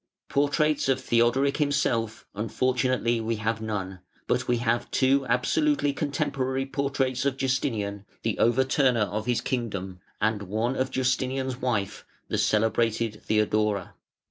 Portraits of Theodoric himself, unfortunately we have none; but we have two absolutely contemporary portraits of Justinian, the overturner of his kingdom, and one of Justinian's wife, the celebrated Theodora.